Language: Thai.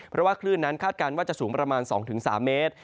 เพราะว่าคลื่นนั้นคาดการณ์ว่าจะสูงประมาณ๒๓เมตร